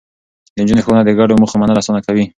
د نجونو ښوونه د ګډو موخو منل اسانه کوي.